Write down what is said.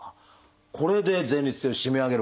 これで前立腺を締め上げるわけですね。